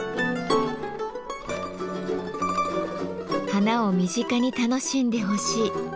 花を身近に楽しんでほしい。